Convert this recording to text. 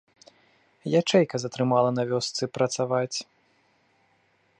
Ячэйка затрымала на вёсцы працаваць.